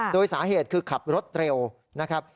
โดยสาเหตุคือขับรถเร็วนะครับ